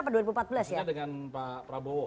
maksudnya dengan pak prabowo